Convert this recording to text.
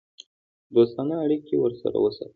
دوستانه اړیکې ورسره وساتي.